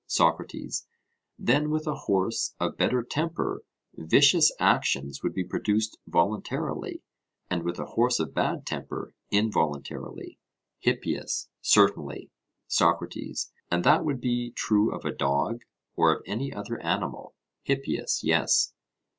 SOCRATES: Then with a horse of better temper, vicious actions would be produced voluntarily; and with a horse of bad temper involuntarily? HIPPIAS: Certainly. SOCRATES: And that would be true of a dog, or of any other animal? HIPPIAS: Yes.